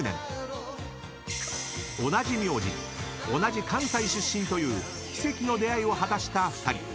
［同じ名字同じ関西出身という奇跡の出会いを果たした２人］